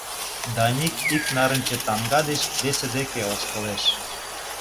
Даник ик нарынче тамга деч весе дек ошкылеш.